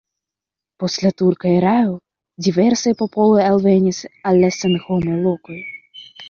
Post la turka erao diversaj popoloj alvenis al la senhomaj lokoj.